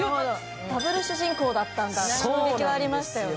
ダブル主人公だったんだっていう衝撃はありましたよね。